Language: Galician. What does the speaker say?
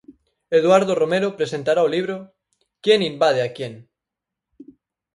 Eduardo Romero presentará o libro "¿Quién invade a quién?".